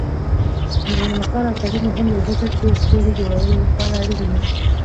د میرمنو کار او تعلیم مهم دی ځکه چې سولې جوړولو لپاره اړین دی.